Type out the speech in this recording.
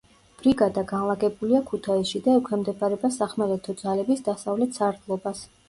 ბრიგადა განლაგებულია ქუთაისში და ექვემდებარება სახმელეთო ძალების დასავლეთ სარდლობას.